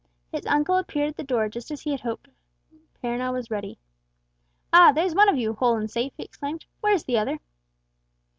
His uncle appeared at the door just as he had hoped Perronel was ready. "Ah! there's one of you whole and safe!" he exclaimed. "Where is the other?"